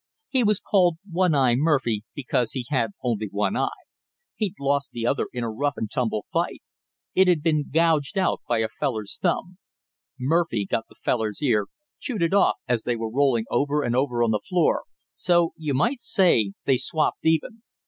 "He was called one eye Murphy because he had only one eye he'd lost the other in a rough and tumble fight; it had been gouged out by a feller's thumb. Murphy got the feller's ear, chewed it off as they was rolling over and over on the floor, so you might say they swapped even."